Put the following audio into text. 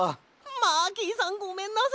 マーキーさんごめんなさい！